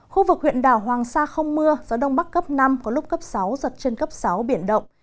khu vực huyện đảo hoàng sa không mưa gió đông bắc cấp năm có lúc cấp sáu giật chân cấp sáu biển động